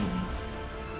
ya ya aku tau